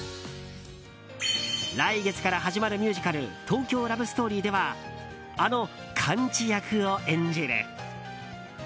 来月から始まるミュージカル「東京ラブストーリー」ではあのカンチ役を演じる。